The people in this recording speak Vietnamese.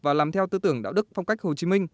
và làm theo tư tưởng đạo đức phong cách hồ chí minh